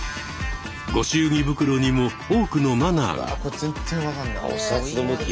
御祝儀袋にも多くのマナーが。